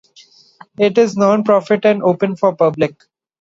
It is nonprofit and open to the public.